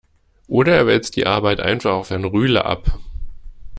Oder er wälzt die Arbeit einfach auf Herrn Rühle ab.